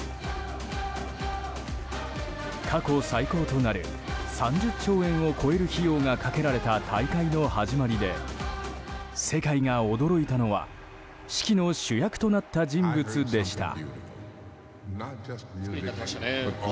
過去最高となる３０兆円を超える費用がかけられた大会の始まりで世界が驚いたのは式の主役となった人物でした。